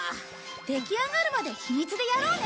できあがるまで秘密でやろうね。